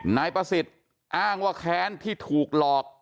นายประสิทธิ์อ้างว่าแค้นที่ถูกหลอก